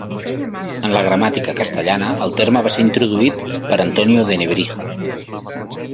En la gramàtica castellana el terme va ser introduït per Antonio de Nebrija.